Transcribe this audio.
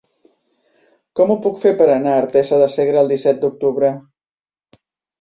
Com ho puc fer per anar a Artesa de Segre el disset d'octubre?